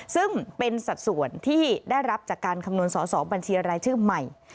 ซึ่งเป็นสัดส่วนที่ได้รับจากการคำนวณสอสอบัญชีรายชื่อใหม่